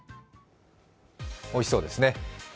おいしそうですね。